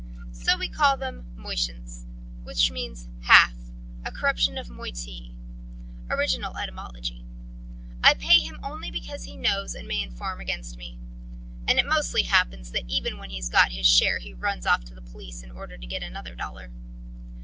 "So we call them Motients, which means 'half,' a corruption of moitié ... Original etymology. I pay him only because he knows and may inform against me. And it mostly happens that even when he's got his share he runs off to the police in order to get another dollar.